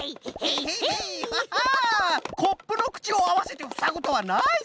コップのくちをあわせてふさぐとはナイス！